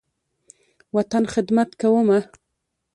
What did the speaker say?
وطن، خدمت کومه